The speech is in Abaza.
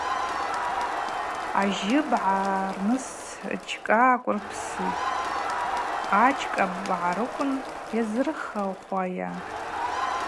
Ажьы мбгӏарныс джькӏа аквырпситӏ, аджьыкӏа бгӏарыквын йазырхахуайа?